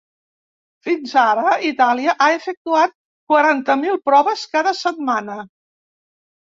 Fins ara, Itàlia ha efectuat quaranta mil proves cada setmana.